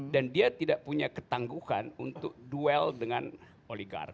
dan dia tidak punya ketangguhan untuk duel dengan oligarki